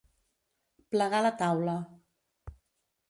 Plegar la taula.